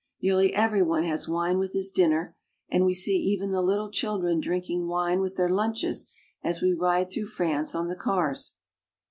Nearly every one has wine with his dinner, and we see even the little children drinking wine with their lunches as we ride through France on the cars.